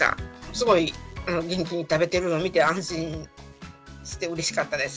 すごい元気に食べてるの見て、安心して、うれしかったです。